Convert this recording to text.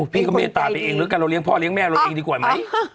พี่ก็เมตตาไปเองแล้วกันเราเลี้ยพ่อเลี้ยแม่เราเองดีกว่าไหม